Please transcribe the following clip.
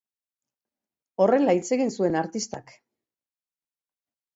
Horrela hitz egin zuen artistak.